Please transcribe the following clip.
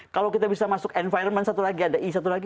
kalau kita bisa masuk environment satu lagi ada i satu lagi